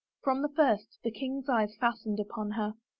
From the first the king's eyes fastened upon her.